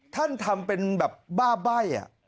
ท่านทำเป็นแบบบ้าใบ้